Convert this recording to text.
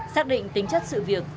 xác định tính chất sự việc